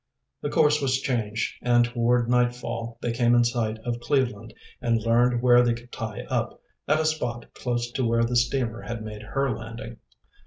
The course was changed, and toward nightfall they came in sight of Cleveland, and learned where they could tie up, at a spot close to where the steamer had made her landing.